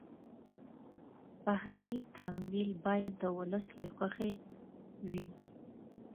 بهرني تمویل باید د ولس له خوښې وي.